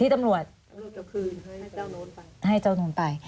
ที่ตำรวจให้เจ้าโน้นไป